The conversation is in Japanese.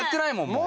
もう。